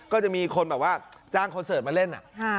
ก็จะมีคนแบบว่าจ้างคอนเสิร์ตมาเล่น